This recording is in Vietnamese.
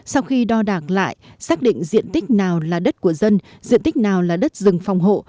sau khi đo đạc lại xác định diện tích nào là đất của dân diện tích nào là đất rừng phòng hộ